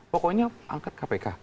pokoknya angkat kpk